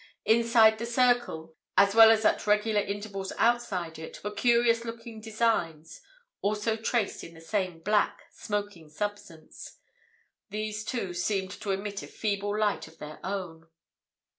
Inside this circle, as well as at regular intervals outside it, were curious looking designs, also traced in the same black, smoking substance. These, too, seemed to emit a feeble light of their own.